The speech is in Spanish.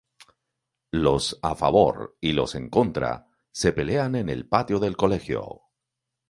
Los "a favor" y los "en contra" se pelean en el patio del colegio.